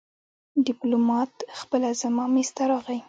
ډيپلومات خپله زما مېز ته راغی.